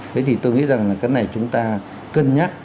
thế thì tôi nghĩ rằng là cái này chúng ta cân nhắc